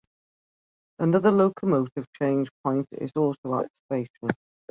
Another locomotive change point is also at Station.